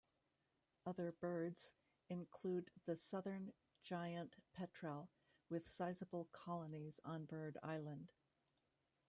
Other birds include the southern giant petrel, with sizeable colonies on Bird Island.